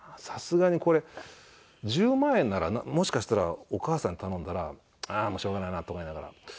さすがにこれ１０万円ならもしかしたらお母さんに頼んだら「ああーもうしょうがないな」とか言いながら。